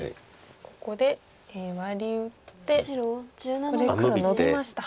ここでワリ打ってここで黒ノビました。